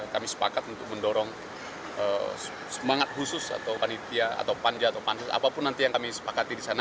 kami sepakat untuk mendorong semangat khusus atau panitia atau panja atau pansus apapun nanti yang kami sepakati di sana